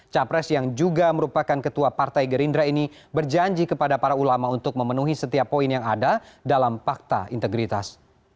capres yang juga merupakan ketua partai gerindra ini berjanji kepada para ulama untuk memenuhi setiap poin yang ada dalam fakta integritas